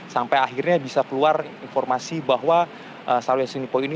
sampai akhirnya bisa keluar informasi bahwa syahrul yassin limpo ini